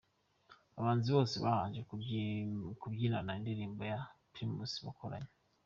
Abahanzi bose babanje kubyinana indirimbo ya Primus bakoranye.